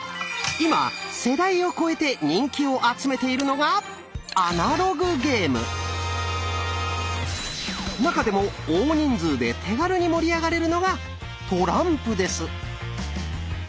今世代を超えて人気を集めているのが中でも大人数で手軽に盛り上がれるのがトランプです。